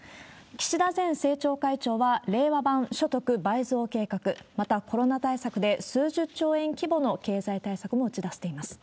岸田前政調会長は、令和版所得倍増計画、またコロナ対策で数十兆円規模の経済対策も打ち出しています。